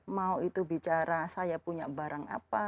mau itu bicara saya punya barang apa